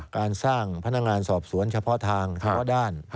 การสร้างพนักงานสอบสวนเฉพาะทางเฉพาะด้าน